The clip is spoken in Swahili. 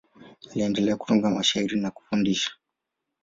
Aliendelea kutunga mashairi na kufundisha.